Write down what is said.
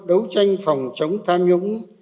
cố tranh phòng chống tham nhũng